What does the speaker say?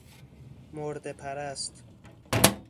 مرده پرست